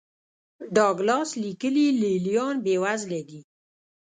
ډاګلاس لیکي لې لیان بېوزله دي.